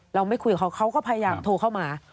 ไม่คุยกับเขาเขาก็พยายามโทรเข้ามา